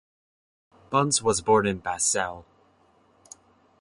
Buns was born in Basel.